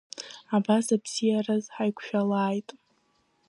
Абас абзиараз ҳаиқәшәалааит!